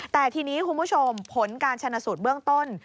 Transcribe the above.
แต่ทีนี้คุณผู้ชมผลการชนะสูตรเบื้องต้น